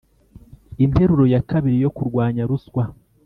interuro ya kabiri yo kurwanya ruswa